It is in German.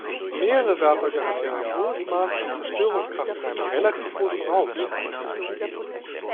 Mehrere Werfer garantierten ein hohes Maß an Zerstörungskraft in einem relativ großen Raum.